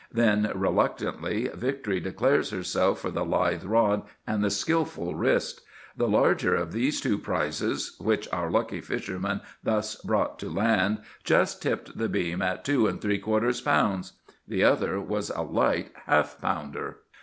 Then, reluctantly, victory declares herself for the lithe rod and the skilful wrist. The larger of these two prizes which our lucky fisherman thus brought to land just tipped the beam at two and three quarters pounds. The other was a light half pounder.